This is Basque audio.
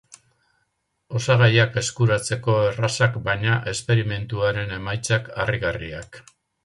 Osagaiak eskuratzeko errazak baina esperimentuaren emaitzak harrigarriak.